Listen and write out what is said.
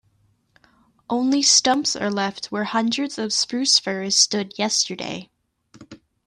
Only stumps are left where hundreds of spruce firs stood yesterday.